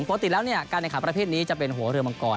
ปกติแล้วการแข่งขันประเภทนี้จะเป็นหัวเรือมังกร